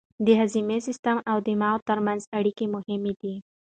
د هضم سیستم او دماغ ترمنځ اړیکه مهمه ده.